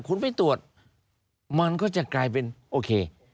คุณไปตรวจมันก็จะกลายเป็นโอเค